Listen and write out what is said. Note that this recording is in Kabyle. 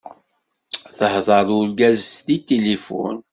Tehder d urgaz di tilifun.